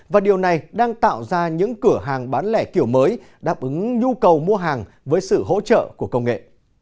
và điều này đang tạo ra những cửa hàng bán lẻ kiểu mới đáp ứng nhu cầu mua hàng với sự hỗ trợ của công nghệ